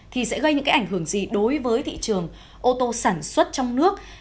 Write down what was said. thì sẽ gây những cái ảnh hưởng gì đối với thị trường ô tô sản xuất trong nước